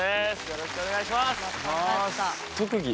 よろしくお願いします。